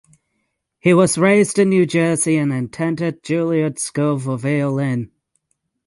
He was raised in New Jersey and attended Juilliard School for violin.